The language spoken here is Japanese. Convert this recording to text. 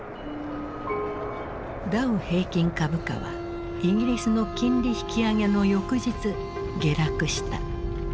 ダウ平均株価はイギリスの金利引き上げの翌日下落した。